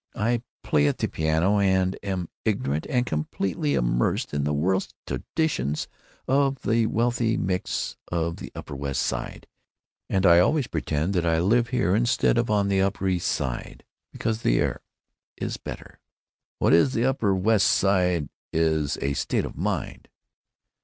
I play at the piano and am very ignorant, and completely immersed in the worst traditions of the wealthy Micks of the Upper West Side, and I always pretend that I live here instead of on the Upper East Side because 'the air is better.'" "What is this Upper West Side? Is it a state of mind?"